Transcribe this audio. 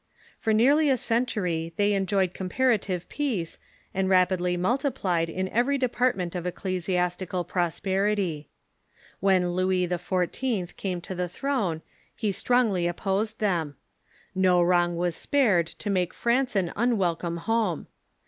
For nearly a century they enjoyed comparative peace, and rapidly multiplied in every department of ecclesiastical prosperity. When Louis XIV. came to the throne he strongly opposed them. No wrong was spared to make France an unwelcome home.